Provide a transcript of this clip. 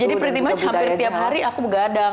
jadi pertama hampir tiap hari aku begadang